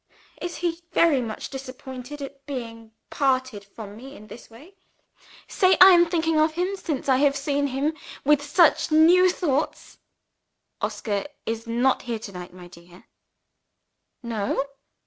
Is he very much disappointed at being parted from me in this way? Say I am thinking of him since I have seen him with such new thoughts!" "Oscar is not here to night, my dear." "No?